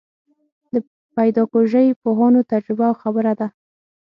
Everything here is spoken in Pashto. د پیداکوژۍ پوهانو تجربه او خبره ده.